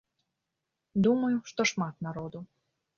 Думаю, што шмат народу.